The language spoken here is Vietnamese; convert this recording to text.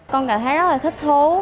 con cảm thấy rất là thích thú